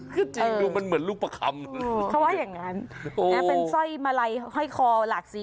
คือจริงดูมันเหมือนลูกประคำเขาว่าอย่างนั้นเป็นสร้อยมาลัยห้อยคอหลากสี